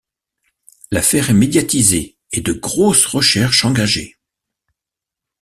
L'affaire est médiatisée et de grosses recherches engagées.